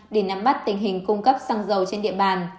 để nắm bắt tình hình cung cấp xăng dầu trên địa bàn